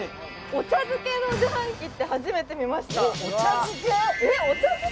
お茶漬けの自販機って初めて見ましたお茶漬け？